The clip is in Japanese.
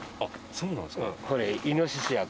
そうなんですか。